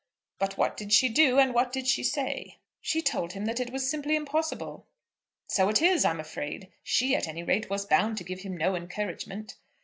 But what did she do, and what did she say?" "She told him that it was simply impossible." "So it is, I'm afraid. She at any rate was bound to give him no encouragement."